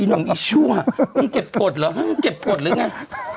หนุ่มอีชั่วมึงเก็บกฎเหรอให้มึงเก็บกฎหรือไง